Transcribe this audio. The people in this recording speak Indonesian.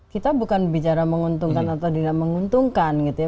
kita bukan bicara menguntungkan atau tidak menguntungkan gitu ya